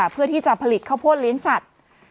เพื่อที่จะผลิตข้าวโพดเลี้ยงสัตว์